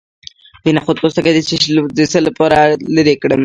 د نخود پوستکی د څه لپاره لرې کړم؟